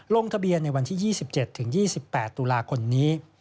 ลงทะเบียนในวันที่๒๗๒๘ตุลาคมนี้